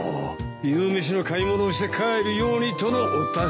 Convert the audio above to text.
夕飯の買い物をして帰るようにとのお達しだ。